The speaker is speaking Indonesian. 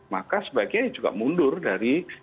maka sebagian juga mundur dari